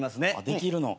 できるの？